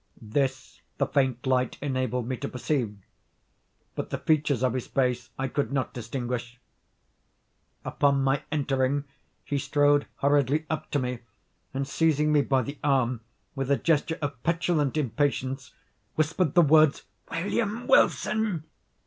This the faint light enabled me to perceive; but the features of his face I could not distinguish. Upon my entering he strode hurriedly up to me, and, seizing me by the arm with a gesture of petulant impatience, whispered the words "William Wilson!"